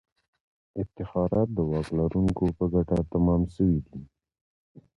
افتخارات د واک لرونکو په ګټه تمام سوي دي.